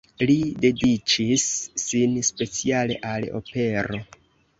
Li dediĉis sin speciale al opero.